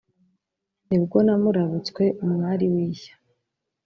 nibwo namurabutswe umwari w'ishya!